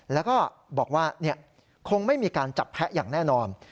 แล้วก็บอกว่าคงไม่มีการจับแพะอย่างแน่นอน